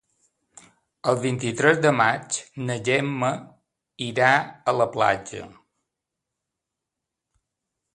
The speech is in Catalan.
El vint-i-tres de maig na Gemma irà a la platja.